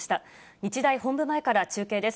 日大本部前から中継です。